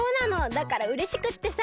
だからうれしくってさ！